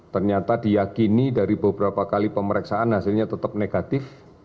ternyata diyakini dari beberapa kali pemeriksaan hasilnya tetap negatif